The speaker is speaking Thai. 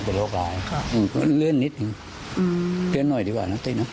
เพราะว่า